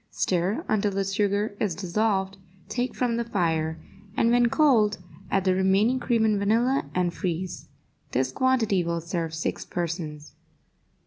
Stir until the sugar is dissolved, take from the fire, and, when cold, add the remaining cream and vanilla, and freeze. This quantity will serve six persons.